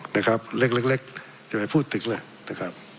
นะครับเล็กจะไปพูดถึงเลยนะครับ